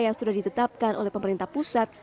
yang sudah ditetapkan oleh pemerintah pusat